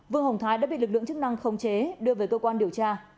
vương hồng thái đã bị lực lượng chức năng khống chế đưa về cơ quan điều tra